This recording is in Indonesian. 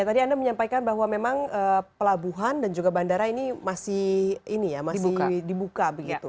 ya tadi anda menyampaikan bahwa memang pelabuhan dan juga bandara ini masih ini ya masih dibuka begitu